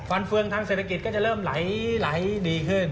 เฟืองทางเศรษฐกิจก็จะเริ่มไหลดีขึ้น